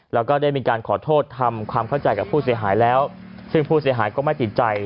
แล้วก็ได้มีการขอโทษทำความเข้าใจกับผู้เสียหายแล้วซึ่งผู้เสียหายก็ไม่ติดใจ